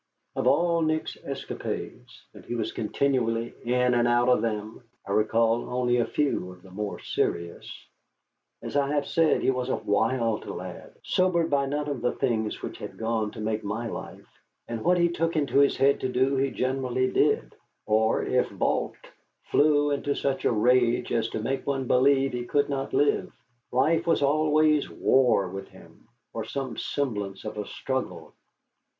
Of all Nick's escapades, and he was continually in and out of them, I recall only a few of the more serious. As I have said, he was a wild lad, sobered by none of the things which had gone to make my life, and what he took into his head to do he generally did, or, if balked, flew into such a rage as to make one believe he could not live. Life was always war with him, or some semblance of a struggle.